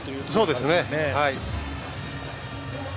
そうですね。